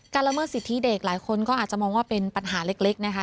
ละเมิดสิทธิเด็กหลายคนก็อาจจะมองว่าเป็นปัญหาเล็กนะคะ